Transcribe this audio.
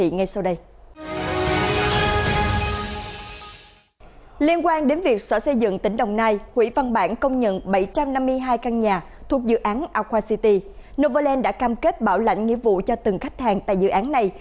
novaland đã cam kết bảo lãnh nghĩa vụ cho từng khách hàng tại dự án này